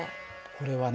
これはね